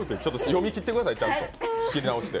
読み切ってください、ちゃんと仕切り直して。